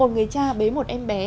một người cha bế một em bé